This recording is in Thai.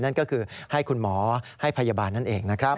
นั่นก็คือให้คุณหมอให้พยาบาลนั่นเองนะครับ